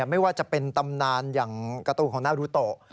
ไม่ว่าจะเป็นตำนานอย่างการ์ตูนของนารุโต